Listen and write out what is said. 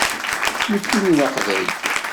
Nekkini d aqbayli.